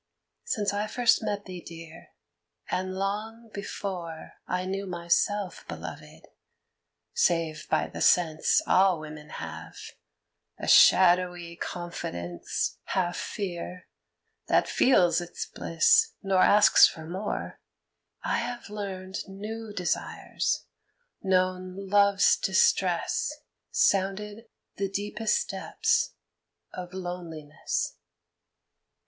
Since first I met thee, Dear, and long before I knew myself beloved, save by the sense All women have, a shadowy confidence Half fear, that feels its bliss nor asks for more, I have learned new desires, known Love's distress Sounded the deepest depths of loneliness.